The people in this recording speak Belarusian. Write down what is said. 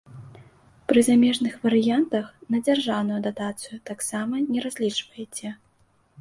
Пры замежных варыянтах на дзяржаўную датацыю таксама не разлічвайце.